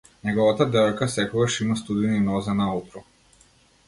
Неговата девојка секогаш има студени нозе наутро.